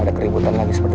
dia jadi pergi